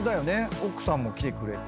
奥さんも来てくれて。